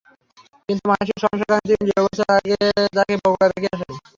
কিন্তু মানসিক সমস্যার কারণে তিনি দেড় বছর আগে তাকে বগুড়ায় রেখে আসেন।